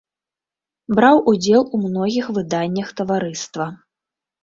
Браў удзел у многіх выданнях таварыства.